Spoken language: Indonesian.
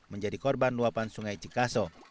menjadi korban luapan sungai cikaso